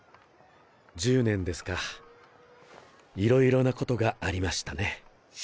１０年ですかいろいろなことがありましたね。